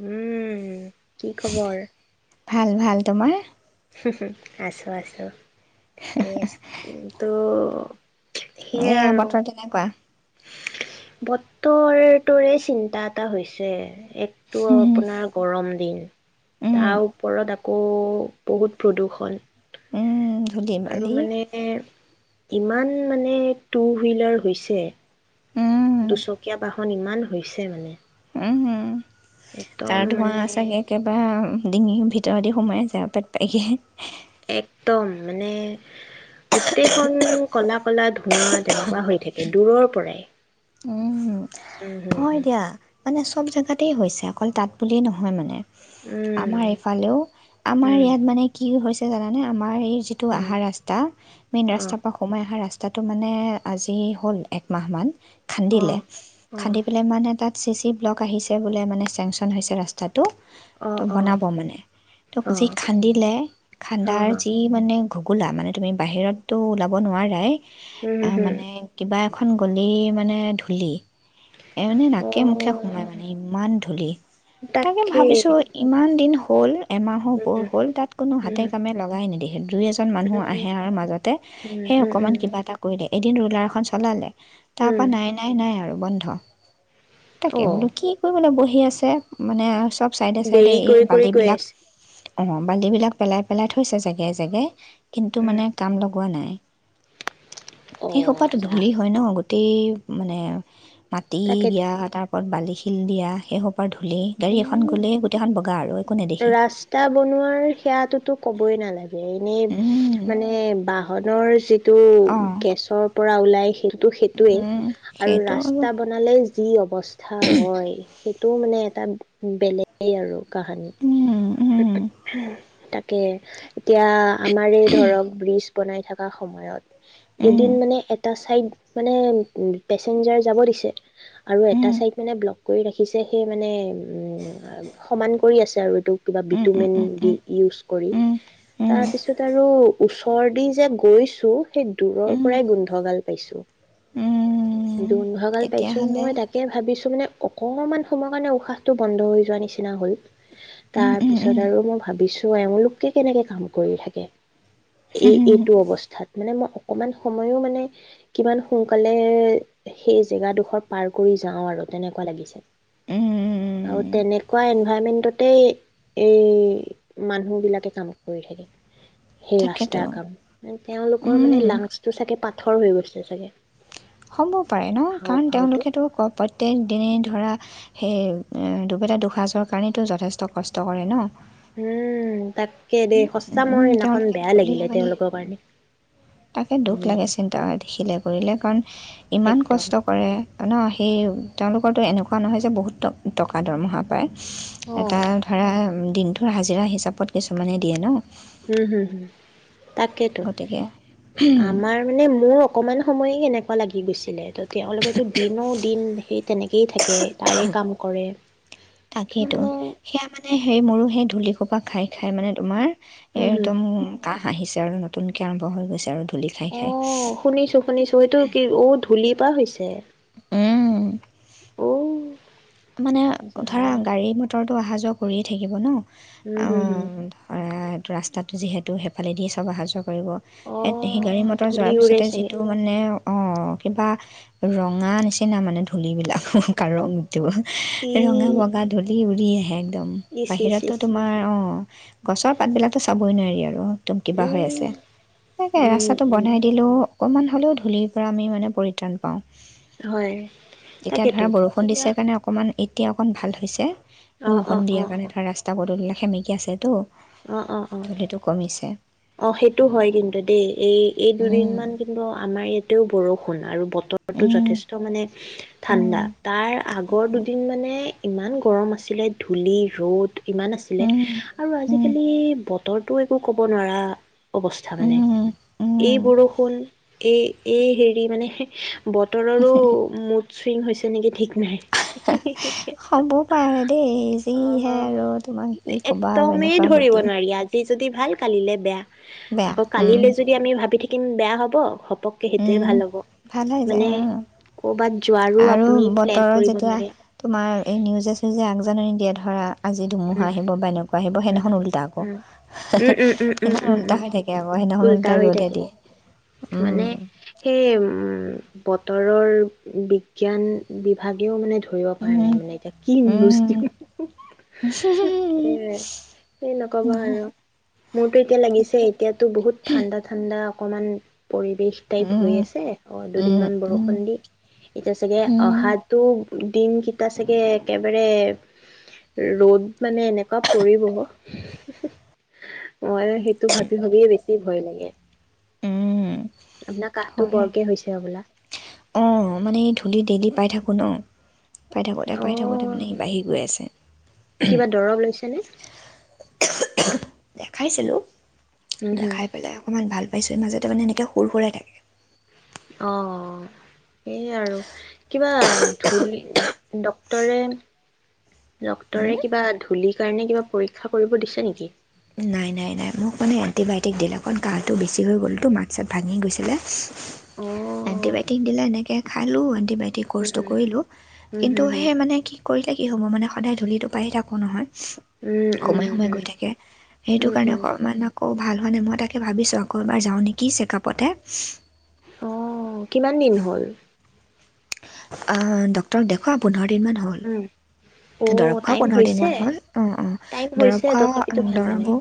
উম', কি খবৰ? ভাল-ভাল, তোমাৰ? হহ- হহ আছো-আছো ঠিকেই আছো, কিন্তু? সেয়াই এ', আৰু বতৰ কেনেকুৱা? বতৰটোৰে চিন্তা এটা হৈছে। একটো আপোনাৰ গৰম ৰিন উম তাৰ ওপৰত দা অহ ', বহুত প্ৰদূৰষণ। উম ধূলি আৰু বালি মানে ইমান মানে টু হুইলাৰ হৈছে। উম', দুচকীয়া বাহন ইমান হৈছে মানে, উমহো একদম মানে [unintelligible] চাগে একেবা ডিঙিৰ ভিতৰতে সোমাই যা পেট পায়গে। একদম মানে, গোটেইখন কলাপ কলা ধোৱা তেনেকুৱা হৈ থাকে। দূৰৰ পৰাই উম উম, হম, হয় হম। দিয়া মানে চব জেগাতেই হৈছে। অকল তাত বুলিয়েই নহয় মানে, আমাৰ উম এইফালেও, আমাৰ উম ইয়াত মানে কি হৈছে। [unintelligible] আমাৰ এই যিটো উম অহা ৰাস্তা মেইন অ ৰাস্তা পৰা সোমাই অহা ৰাস্তা কথাটো মানে আজি হ'ল একমাহ মান অ খান্দিলে-খান্দি এটাত চি চি ব্লক আহিছে বোলে মানে চেংচন হৈছে ৰাস্তাত। অ অ ত অ বনাব মানে, ত অ যি খান্দিলে হ খান্দাৰ হ যি মানে ঘোগোলা মানে, তুমি বাহিৰত টো ওলাব নোৱাৰাই উম অ হুম হুম মানে কিবা খন গলি মানে ধূলি এনে অ নাকে-মুখে সোমাই মানে ইমান ধূলি তাকে তাকেই ভাবিছো ইমান দিন হ হ'ল এমাহৰ উম ওপৰ হ'ল তাত কোনো উম হাতে-কামে লগাই নিদে দুই এজন মানুহ উম আহে আৰু মাজতে উম সেই উম অকমান উম কিবা এটা কৰিলে এদিন ৰুলাৰ এখন চলালে তাৰ উম পৰাা নাই নাই নাই আৰু বন্ধ অ তাকে বলো কি কৰিবলে বহি হি আছে মানে চব চাইডে চাইডে দেৰি এই কৰি কৰি গৈ বালিবিলাক আছে অ', বাল্টি বিলাক পেলাই পেলাই থৈছে জেগায়ে জেগায় কিন্তু উম মানে কাম লগ কোৱা নাই অ সেই সোপাটো যা ধূলি হয় ন' গো [unintelligible] মানে মা দি তাকেতো দিয়া তাৰ বালি-শিল দিয়া সেই অই ধূলি গাড়ী এখন উম গ'লে গোটেইখন বগা আৰু একো নেদেখি ৰাস্তা বনোৱাৰ সেয়াটোতো ক'বই নালাগে এনেই মানে বাঁহ ধনৰ টো অঁ গেছৰ পৰা ওলাই সেইটো সেইটোৱে আৰু ৰাস্তা বনালে যি অৱস্থা হয় সেইটোও মানে এটা বেলেগেই আৰু কাহানী উম, উম, তাকে এতিয়া আমাৰে ধৰক ব্ৰীজ বনাই ঠাকা সময়ত উম, এদিন মানে এটা চাইড মানে পেচেঞ্জাৰ যাব দিছে আৰু এটা উম, চাইড মানে ব্ল'ক কৰি ৰাখিছে সেই মানে উ সমান কৰি আছে আৰু ইটো কিবা উম, উম, বিটুমিন উম, ডি উম, ইউজ কৰি উম, উম, তাৰ পিছত আৰু ওচৰত [unintelligible] যে গৈছো সেই দূৰৰ উম, পৰাই গোন্ধ গাল পাইছো। উম, গোন্ধ গাল পাইছো তেতিয়াহ'লে মই তাকে ভাবিছো মানে অকণমান সময়ৰ কাৰণে উশাহটো বন্ধ হৈ যোৱাৰ নিচিনা হ'ল। উম, উম, তাৰপিছত আৰু মই ভাবিছোঁ, এওঁলোকে কেনেকে কাম কৰি থাকে? এই, উম, এইটো অৱস্থাত। মানে মই অকমান সময়ো মানে, কিমান সোনকালে, সেই জেগাডোখৰ পাৰ কৰি যাওঁ আৰু তেনেকুৱা লাগিছে। আৰু উম, তেনেকুৱা এনভাইৰমেন্টত তেই, এই মানুহ বিলাকে কাম কৰি থাকে। সেই তাকেতো ৰাস্তাৰ কাম। তে-তেওঁলোকৰ মানে উম। লাংচটো চাগে পা থৰ হৈ গৈছে, চাগে। হ'ব পাৰে ন! কাৰণ, হাওঁফাওঁটো তেওঁলোকেতো প-প্ৰত্যেক দিনেই ধৰা সেই আ, দুবেলা দু-সাঁজৰ কাৰনেইটো যথেষ্ট কষ্ট কৰে, ন! উম, তাক ও, ও, তেওঁলোকে ধূলি বালি, তেওঁলোকৰ কাৰণে তাকে দুখ উম লাগে চিন্তা, দেখিলে কৰিলে, কাৰণ ইমান একদম কষ্ট কৰে। ন সেই, তেওঁলোকৰতো এনেকুৱা নহয় যে বহুত ট-টকা, দৰমহা পায়। অ এটা ধৰা, ও দিনটো হাজিৰা হিচাপত কিছু মানে দিয়ে ন! ও, হু। তাকেইেটো। গতিকে আমাৰ মানে মোৰ অকমান সময়ে কেনেকুৱা লাগি গৈছিলে। ত' তেওঁলোকেতো দিন ঔ দিন সেই তেনেকেই থাকে, তাৰে কাম কৰে। ত' মানে এ, সেই মোৰো সেই ধূলিসূপা খাই, খাই মানে তোমাৰ উম এইটো হম ম, ম কাঁহ আহিছে আৰু নতুনকে আৰম্ভ হৈ গৈছে আৰু ধূ অ', শুনিছো, শুনিছো সেইটো কি? অ' ধূ ধূলি পা হৈছে? উম, অউ। মানে, ধৰা গাড়ী-মটৰ ত' আহা-যোৱা কৰিয়ে থাকিব ন! ও, হু, হু। ধৰা ৰাস্তাটো যিহেতু সেই ফালেদিয়ে চব আহা-যোৱা কৰিব, সে-সেই অ গাড়ী-মটৰ ধূলি যোৱাৰ উৰে পিছতে, চাগে যিটো মানে অ', কিবা ৰঙা নিচিনা মানে ধূলিবিলাকো, কা ৰং। ই ৰঙা, বগা ধূলি উৰি আহে একদম। ইচ ইচ বাহিৰতটো ইচ তোমাৰ, অ'। গছৰ পাতবিলাকো চাবই নোৱাৰি আৰু। একদম কিবা হৈ উম আছে। তাকে, উম ৰাস্তাটো উম বনাই দিলেও অকণমান হ'লেও ধূলিৰ পৰা আমি মানে পৰিত্ৰাণ পাওঁ। হয়, এতিয়া তাকেতো ধৰা বৰষুণ কিবা। দিছে কাৰণে অকণমান এতিয়া অকণ ভাল হৈছে? অ অ বৰষুণ অ অ দিয়াৰ কাৰণে তাৰ ৰাস্তা পদূলি। সেমেকি আছেতো। অ অ অ ধূলিটো কমিছে অ সেইটো হয় কিন্তু দেই এই। এই উম, দুদিনমান কিন্তু আমাৰ ইয়াতেও বৰষুণ। [inaudible] বতৰটো উম, যথেষ্ট মানে। ঠাণ্ডা উম, তাৰ আগৰ দুদিন মানে। ইমান গৰম আছিলে ধূলি ৰ'দ। ইমান আছিলে উম, আৰু আজি। উম, এই বতৰটো একো ক'ব নোৱাৰা। অৱস্থা মানে উম, উম। এই বৰষুণ। এই এই হেৰি মানে। বতৰৰো ম চুইং হৈছে নেকি ঠিক নাই। হ'ব পাৰে দেই অ যিহে আৰু তোমাক কি ক'বা আৰু একদমেই এনেকুৱা ধৰিব নোৱাৰি আজি। যদি ভাল কালিলে বেয়া। বেয়া আকৌ উম। কালিলৈ যদি আমি ভাবি থাকো কিমান বেয়া হ'ব। সবতকে সেইটোয়ে উম, ভাল হ'ব ভাল হৈ যায় মানে উম, কৰ'বাত যোৱাৰো আৰু আপুনি প্লেন বতৰত কৰিব যেতিয়া নোৱাৰে তোমাৰ এই নিউজে চিউজে আগজাননী দিয়া ধৰা। ধৰা। আজি ধুমুহা উম আহিব বা এনেকুৱা আহিব উম সেইদিনাখন উল্টা আকৌ, উম উম উম উম উম সেইদিনাখন উম ওল্টা উম হৈ থাকে আকৌ সেইদিনাখন উল্টা ওল্টাই হৈ ৰ'দহে থাকে দিয়ে। মানে উম, সেই আৰু উম, বতৰৰ বিজ্ঞান বিভাগেও মানে ধৰিব পৰা উম, নাই মানে এতিয়া কি নিউজ উম। দিওঁ এ সেই নকবা আৰু মোৰতো এতিয়া লাগিছে এতিয়াতো বহুত ঠাণ্ডা ঠাণ্ডা অকণমান পৰিৱেশ উম, টাইপ হৈ উম, আছে, অ উম, দুদিনমান বৰষুণ দি এতিয়া চাগে উম, অহাতো দিন কেইটা চাগে একেবাৰে ৰ'দ মানে এনেকুৱা পৰিব। মই সেইটো ভাবি ভাবিয়ে ভয়ে লাগে। উম, আপোনাৰ কাহটো বৰকে হৈছে হবলা? অ', মানে ধূলি ডেইলি পাই থাকো ন। পাই থাকোঁতে, অ পাই থাকোঁতে মানে সি বাঢ়ি গৈ আছে। উহু', কিবা দৰৱ লৈছেনে উহ-উহ'। দেখাইছিলোঁ। হুম হুম দেখাই পেলাই অকণমান ভাল পাইছোঁ। এই মাজতে মানে এনেকে সুৰ সুৰাই থাকে। অ সেই আৰু। কিবা ধূলি ডক্তৰে ডক্তৰে কিবা ধূলি কাৰণে কিবা পৰীক্ষা কৰিব দিছে নেকি? নাই, নাই, নাই, মোক মানে এণ্টিবায়টিক দিলে। অকণ কাহটো বেছি হৈ গ'লতো মাত-চাত ভাঙি গৈছিলে। অ এণ্টিবায়টিক দিলে, এনেকে খালো। এতিয়া উম কোৰ্চটো হুম কৰিলোঁ। উম কিন্তু হুম হুম সে মানে কি কৰিলে কি হ'ব। মানে সদায় ধূলিটো পাই থাকো নহয়। উম উম সময়ে সময়ে উম গৈ থাকে। সেইটো উম কাৰণে উম অকণমান আকৌ অ', ভাল হোৱা নাই। মই তাকে ভাবিছোঁ, আকৌ এবাৰ যাওঁ নেকি চেক-আপতে। অহ', কিমান দিন হ'ল? অ', ডক্টৰ দেখোৱা পো দিনমান হ'ল। উম, অ দৰৱ খোৱাও টাইম পোন্ধৰ হৈছে দিনমান হ'ল অ', অ', টাইম দৰৱ হৈছে খোৱা তথাপিতো অ' ভাল হোৱা দৰৱৰ নাই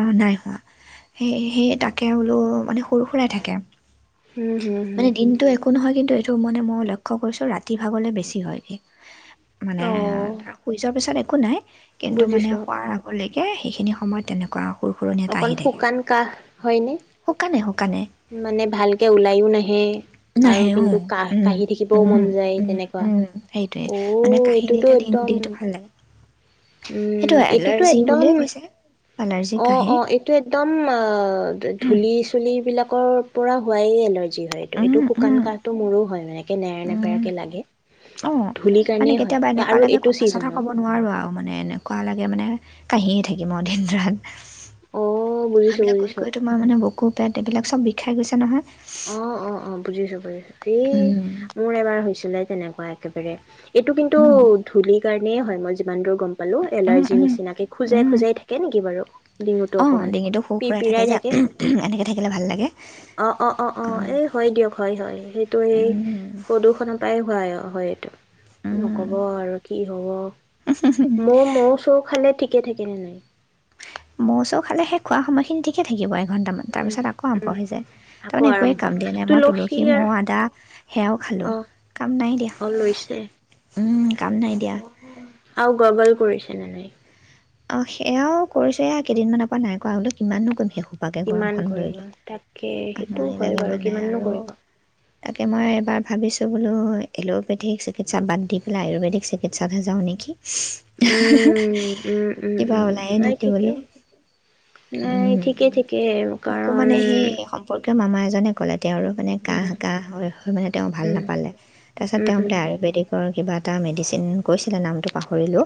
আৰু নাই। সেই-সেইে তাকে বোলো অ', মানে সৰু সুৰাই থাকে। উম হুম হুম মানে দিনটো একো নহয়। কিন্তু টো মানে মই লক্ষ্য কৰিছো, ৰাতি ভাগ হ'লে বেছি হয়। মানে অ টা শুই যোৱাৰ পিছত একো একো নাই। কিন্তু মানে বুজিছো হোৱাৰ আগলৈ সে সেইখিনি সময়ত তেনেকুৱা সুৰ সুৰণি এটা অকল আহি থাকে শুকান কাহ হয়নে? শুকানে শুকানে মানে ভালকে ওলাইও নাহে, আৰু নাহে অঁ কিন্তু কা-কাহি থাকিবও মন যায় তেনেকুৱা, সেইটোৱে অ মানে কাঁহি এইটোতো দিলে দিন একদম দিনটো ভাল লাগে সেইটো উম', এইটোতো এলাৰ্জি একদম, বুলিয়ে কৈছে এলাৰ্জি অ কাঁহি অ এইটো একদম উম ধূলি চুলি বিলাকৰ পৰা হোৱাই এলা জি হয় এইটো। এইটো শুকান উম কাহটো মোৰো হয় মানে এনেকে নেৰা-নেপেৰাকে লাগে। অ', ধূলিৰ মানে কাৰণেই হয় কেতিয়াবা এনেকুৱা আৰু লাগে এইটো কথা চথা ছিজনত। ক'ব নোৱাৰো আৰু মানে এনে কুৱা লাগে মানে কাহিয়ে থাকিম আৰু দিন-ৰাত। অ', বুজিছোঁ আবিলাক কৈ বুজিছোঁ। কৈ তো মোৰ মানে বকু পেট এইবিলাক চব বিষ খাই গৈছে নহয়। অ অ অ বুজিছো বুজিছো। ই উম মোৰ এবাৰ হৈছিলে। তেনেকুৱা একেবাৰে এইটো কিন্তু উম ধূলি- এলাৰ্জিয়েই হয় মই যিমান দূৰ গম পালো, উম এলাৰ্জি উম নিচিনাকে খজুৱাই উম খজুৱাই থাকে নেকি বাৰু? ডিঙুটো অ অকমান ডিঙিটো পিৰ সুৰসুৰাই থাকে পিৰাই যে, এনেকে থাকিলে ভাল লাগে। অ -অ- অ উম, এই হয় দিয়ক হয়- হয় সেইটো এই প্ৰদূষণৰ পৰাই হয়। অ- হয় টো। উম। নকব আৰু কি- ধ মোৰ মৌ চৌ খালে থিক- ঠিকে থাকে নে নাই। মৌ চৌ খালে সেই খোৱা সময়খিনি ঠিকে থাকিবাই। দু ঘণ্টামান উম, তাৰপিছত আকৌ আৰম্ভ উম, হৈ যায়, আকৌ তাৰমানে একোৱেই আৰম্ভ কাম দিয়া নাই মই তুলসী আৰু মৌ আদা সেয়াও খালোঁ। অ', কাম নাই দিয়া, অ', লৈছে উম- কাম নাই দিয়া। অ'। আৰু গগল কৰিছে নে নাই? অ সেয়াও কৰিছো- কেইদিনমানৰ পৰা নাই কৰা দেই কিমাননো কৰিম? সোপাকে কিমান গৰমখন লৈ কৰিব? লৈ তাকে সেইটো আমনি হয় লাগে বাৰু মানে কিমাননো আৰু কৰিব। তাকে মই এবাৰ ভাবিছোঁ বোলো এল'পেথিক চিকিৎসা বাদ দি পেলাই আয়ুৰ্বেদিক চিকিৎসাতহে যাওঁ নেকি! উম-উম- কিবা ওলায়ে নেকি বোলো। নাই উম, ঠিকেই ঠিকেই মোকো কাৰণ মানে সেই সম্পৰ্কীয় মামা এজনে ক'লে। তেওঁৰো মানে কাহ উম, এটা হৈ হৈ মানে তেওঁ ভাল উম, নাপালে, তাৰপাছত উম, তেওঁ উম, বোলে আয়ুৰ্বেদিকৰ কিবা- এটা মেডিচিন কৈছিলে নামটো পাহৰিলো।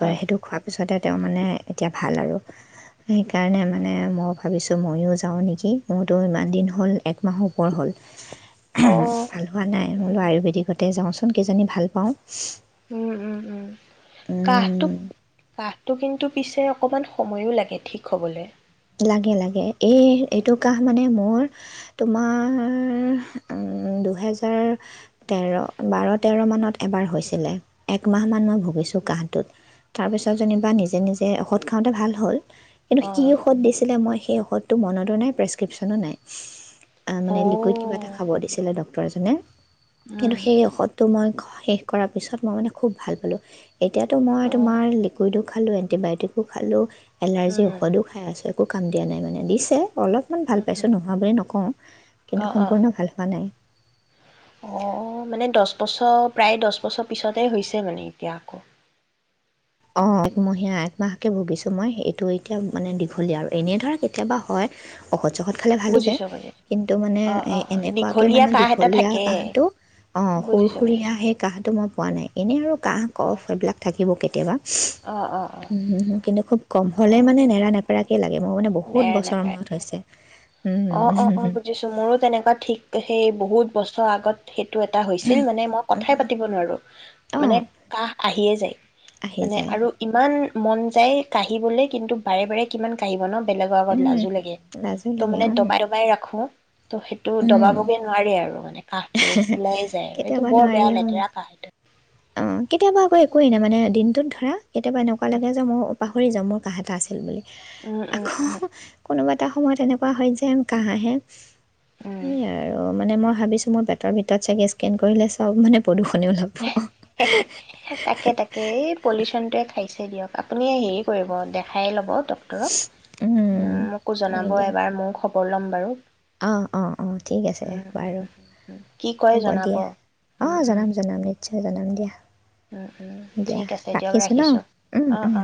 হয় সেইটো খোৱাৰ পিছতে তেওঁ মানে এতিয়া ভাল আৰু। সেইকাৰণে মানে মই ভাবিছোঁ ময়ো যাওঁ নেকি! মোৰতো ইমান দিন হ'ল একমাহৰ ওপৰ হ'ল। অ'। ভাল হোৱা নাই মই বোলো আয়ুবেদিকতে যাওচোন। কিজানি ভাল পাওঁ। উম -উম -উম কাহটো পাওঁ কাহটো কিন্তু পিছে অকণমান সময়ো লাগে ঠিক হ'বলে। লাগে লাগে। এই এইটো কাহ মানে মোৰ- তোমাৰ, উম, দুহেজাৰ তেৰ বাৰ তেৰ মানত এবাৰ হৈছিলে। একমাহমান মই ভুগিছোঁ কাঁহটোত, তাৰপিছত যেনিবা নিজে নিজে ঔষধ খাওঁতে ভাল হ'ল। এই টো অ শিকিলো মই সেই ঔষধটো মনতো নাই প্ৰেছক্ৰিপশ্যনো নাই। আ, মানে অ লিকুইড কিবা এটা খাব দিছিলে ডক পাই জোনে কিন্তু উম সেই ঔষধটো মই ঘত। শেষ কৰাৰ পিছত মই মানে খুব ভাল পালোঁ। এতিয়াতো মই অ তোমাৰ লিকুইডো খালোঁ এন এণ্টিবায়টিকো খালোঁ এলাৰ্জি উম ঔষধো খাই আছো। একো কাম দিয়া নাই মানে, দিছে। অলপমান ভাল উম পাইছো হম নোহোৱা বুলি নকওঁ, কিন্তু অ অ সম্পূৰ্ণ ভাল হোৱা নাই। অ [unintelligible] প্ৰায় দশ বছৰ পিছতে হৈছে মানে এতিয়া আকৌ। অ, একমহীয়া-একমাহকে ভুগিছো মই, এইটো এতিয়া মানে দীঘলীয়া আৰু এনেই ধৰা কেতিয়াবা হয়, ঔষধ চখদ খালে ভাল হৈ যায় বুজিছো বুজিছো কিন্তু মানে অ অ এ-এনেকুৱাকে দীঘলীয়া মানে কাহ এটা দীঘলীয়া থাকে কাহটো অ', বুজিছো সুৰ-সুুৰীয়া বুজিছো সেই কাহটো মই [unintelligible] নাই এনে আৰু অ কাঁহ-কফ এইবিলাক থাকিব কেতিয়াবা। অ অ অ কিন্তু খুব কম অ হলে মানে নেৰা নেপেৰাকে বহুত নেৰা বছৰৰ নেপেৰা মূৰত একেলগে হৈছে। অ, অ অ, বুজিছো মোৰো তেনেকুৱা ঠিক সেই বহুত বছৰ আগত সেই টো এটা হৈছিল মানে মই কথাই পাতিব নোৱাৰো, মানে অঁ কাহ আহিয়েই যায়। আহি মানে যায় আৰু ইমান মন যায় কাহিবলৈ কিন্তু বাৰে বাৰে কিমান কাঢ়িবা ন বেলেগৰ আগত উম, লাজো লাগে। লাজো লাগে মানে উম, দবাই দবাই ৰাখো অ তো' সেইটো উম, দবাবগে নোৱাৰি আৰু মানে। কাঁহটো ওলাইে যায় আৰু এইটো বৰ বেয়া লেতেৰা কাঁহ এইটো। অ', কেতিয়াবা আকৌ একোৱেই নেমানে দিনটোত ধৰা কেতিয়াবা এনেকুৱা লাগে যে মোও পাহৰি যাওঁ মোৰ কাঁহ এটা আছিল বুলি। উম উম আকৌ উম কোনোবা এটা সময়ত এনেকুৱা হয় যেন কাহাহে উম সেইয়ে আৰু মানে মই ভাবিছো মই তাৰ ভিতৰত চাগে স্কেন কৰিলে চব মানে প্ৰদূৰষণেও লব। ঠিক আছে দিয়ক আপুনি হেৰি কৰিব দেখায়ে ল'ব। ডক্টৰক, উম, মোকো জনাব এবাৰ মইও কলম বাৰু অ', অ', অ', ঠিক আছে উম উম বাৰু উম উম কি কয় হ'ব জনাব দিয়া উম অ', উম জনাম জনাম। আচছা জনাম দিয়া। উম, উম দিয়া ঠিক আছে দিয়ক ৰাখিছোঁ ন ৰাখিছো উম অ', উম। অ,।